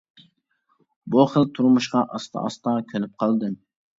بۇ خىل تۇرمۇشقا ئاستا-ئاستا كۆنۈپ قالدىم.